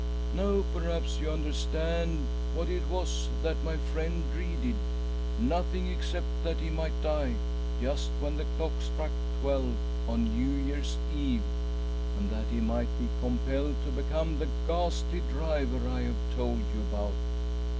Now perhaps you understand what it was that my friend dreaded— nothing except that he might die just when the clock struck twelve on New Year's Eve, and that he might be compelled to become the ghastly driver I have told you about.